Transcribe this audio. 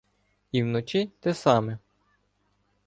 І вночі те саме.